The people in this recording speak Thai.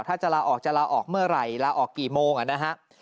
ถ้าจะลาออกจะลาออกเมื่อไหร่ลาออกกี่โมงนะฮะ